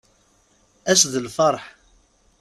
Ass d lferḥ.